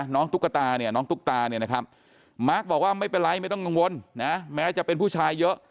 น้องตุ๊กตาเนี่ยมาร์คบอกว่าไม่เป็นไรไม่ต้องกังวลแม้จะเป็นผู้ชายเยอะ